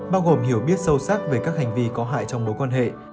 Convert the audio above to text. bao gồm hiểu biết sâu sắc về các hành vi có hại trong mối quan hệ